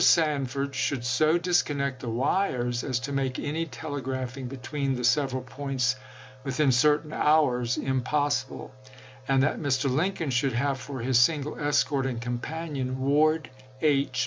Sanford should so disconnect the wires as to make any telegraphing between the several points within cer tain hours impossible ; and that Mr. Lincoln should have for his single escort and companion Ward H.